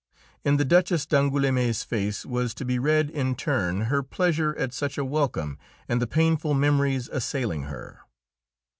In the Duchess d'Angoulême's face was to be read in turn her pleasure at such a welcome and the painful memories assailing her.